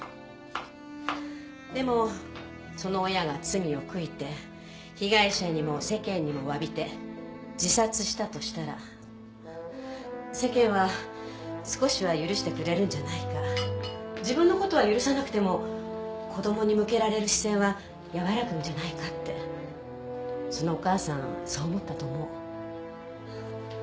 でもその親が罪を悔いて被害者にも世間にもわびて自殺したとしたら世間は少しは許してくれるんじゃないか自分の事は許さなくても子供に向けられる視線は和らぐんじゃないかってそのお母さんそう思ったと思う。